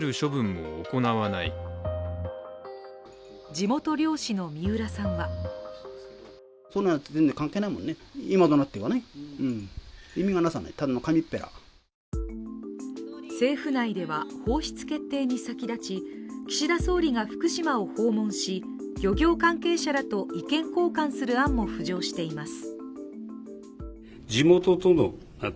地元漁師の三浦さんは政府内では放出決定に先立ち岸田総理が福島を訪問し漁業関係者らと意見交換する案も浮上しています。